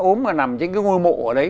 ốm mà nằm trên cái ngôi mộ ở đấy